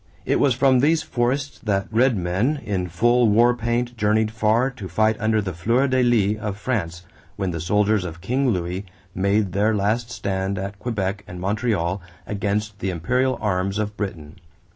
It was from these forests that Red Men in full war paint journeyed far to fight under the fleur de lis of France when the soldiers of King Louis made their last stand at Quebec and Montreal against the imperial arms of Britain.